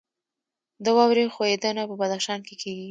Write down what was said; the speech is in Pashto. د واورې ښویدنه په بدخشان کې کیږي